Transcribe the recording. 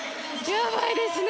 やばいですね！